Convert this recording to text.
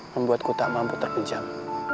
membuatku tak mampu terpenjam